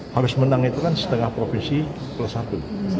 harus menang itu kan setengah profesi plus satu